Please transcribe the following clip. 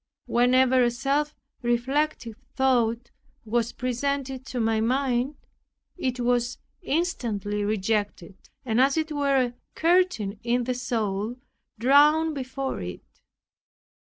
Whenever a self reflective thought was presented to my mind, it was instantly rejected, and as it were a curtain in the soul drawn before it.